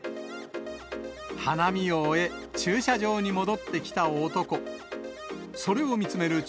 花見を終え、駐車場に戻ってきた男。